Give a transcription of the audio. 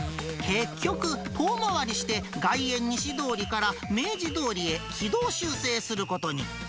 結局、遠回りして、外苑西通りから明治通りへ軌道修正することに。